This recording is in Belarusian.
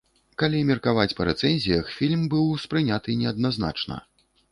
Калі меркаваць па рэцэнзіях, фільм быў успрыняты неадназначна.